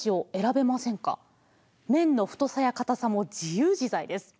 めんの太さやかたさも自由自在です。